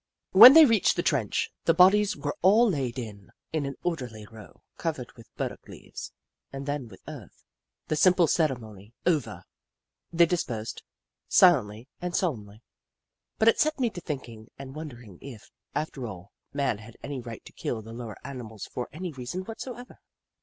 When they reached the trench, the bodies were all laid in, in an orderly row, covered with burdock leaves and then with earth. The simple ceremony over, they dispersed, silently and solemnly, but it set me to thinking and wondering if, after all, man had any right to kill the lower animals for any reason what soever.